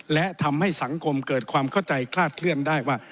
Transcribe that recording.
และทำให้สังคมเกิดความเข้าใจคลาดเคลื่อนได้ว่า